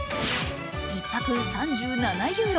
１泊３７ユーロ。